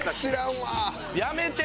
やめて！